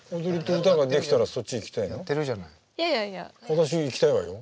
私いきたいわよ。